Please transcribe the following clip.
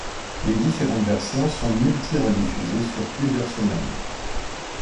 Les différentes versions sont multi-rediffusées sur plusieurs semaines.